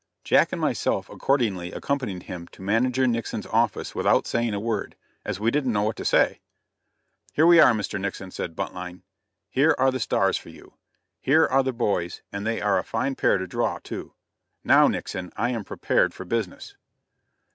Jack and myself accordingly accompanied him to manager Nixon's office without saying a word, as we didn't know what to say. "Here we are, Mr. Nixon," said Buntline; "here are the stars for you. Here are the boys; and they are a fine pair to draw too. Now, Nixon, I am prepared for business."